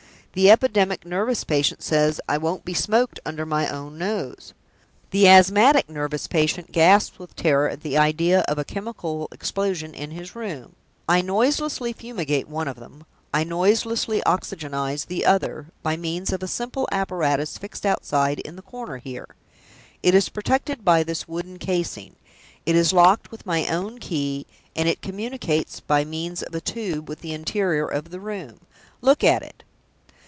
The epidemic nervous patient says, 'I won't be smoked under my own nose!' The asthmatic nervous patient gasps with terror at the idea of a chemical explosion in his room. I noiselessly fumigate one of them; I noiselessly oxygenize the other, by means of a simple Apparatus fixed outside in the corner here. It is protected by this wooden casing; it is locked with my own key; and it communicates by means of a tube with the interior of the room. Look at it!"